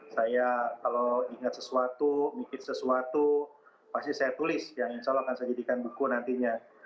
saya kalau ingat sesuatu mikir sesuatu pasti saya tulis yang insya allah akan saya jadikan buku nantinya